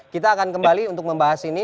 kita akan kembali untuk membahas ini